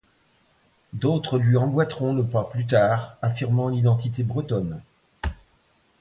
D'autres lui emboîteront le pas plus tard, affirmant l'identité bretonne.